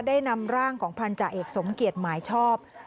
ได้นำร่างของพันธาเอกสมเกียจหมายชอบ